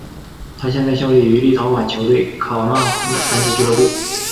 他现在效力于立陶宛球队考纳斯篮球俱乐部。